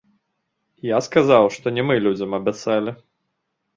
Я сказаў, што не, мы людзям абяцалі.